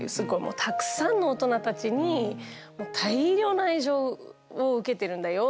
たくさんの大人たちに大量の愛情を受けてるんだよ！って